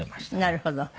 なるほど。